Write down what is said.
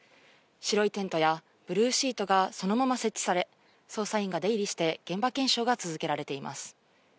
白いテントやブルーシートがそのまま設置され、捜査員が出入りして現場検証が続けられています。